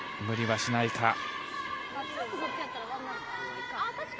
無理はしないか。